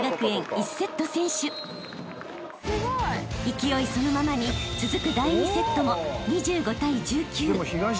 ［勢いそのままに続く第２セットも２５対１９］